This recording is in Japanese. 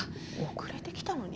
遅れてきたのに？